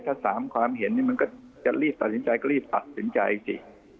ถ้า๓ความเห็นนี่มันก็จะรีบตัดสินใจก็รีบตัดสินใจสิ